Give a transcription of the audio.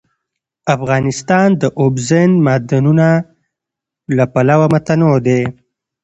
افغانستان د اوبزین معدنونه له پلوه متنوع دی.